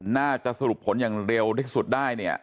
น่าจะสรุปผลอย่างเร็วที่สุดได้เนี่ย